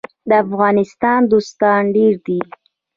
د افغانستان دوستان ډیر دي